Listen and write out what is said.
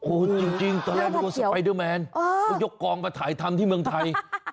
โอ้โหจริงตอนแรกนึกว่าสไปเดอร์แมนเขายกกองมาถ่ายทำที่เมืองไทย